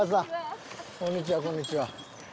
こんにちはこんにちは。